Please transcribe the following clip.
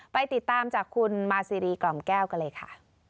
ไปติดตามจากคุณมาซีรีกล่อมแก้วกันเลยค่ะ